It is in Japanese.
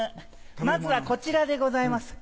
まずはこちらでございます。